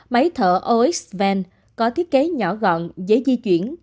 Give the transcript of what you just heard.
máy thở oxven có thiết kế nhỏ gọn dễ di chuyển